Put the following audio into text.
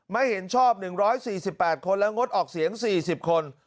ไม่เห็นชอบ๑๔๘คนและงดออกเสียง๔๐คน